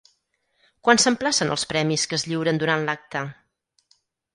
Quan s'emplacen els premis que es lliuren durant l'acte?